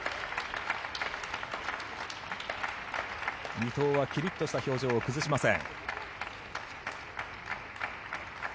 伊藤はキリッとした表情を崩しません。